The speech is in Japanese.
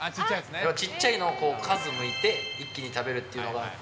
ちっちゃいのを数むいて、一気に食べるっていうのがやっぱ。